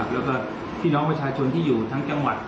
แล้วก็พี่น้องประชาชนที่อยู่ทั้งจังหวัด